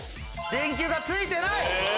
電球が付いてない。